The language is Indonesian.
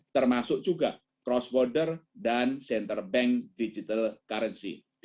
termasuk juga cross border dan central bank digital currency